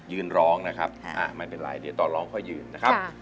ยืนร้องนะครับไม่เป็นไรเดี๋ยวต่อร้องค่อยยืนนะครับ